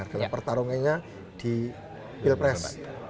karena pertarungannya di pilpres dua ribu dua puluh empat